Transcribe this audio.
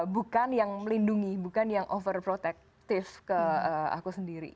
bukan yang melindungi bukan yang overprotective ke aku sendiri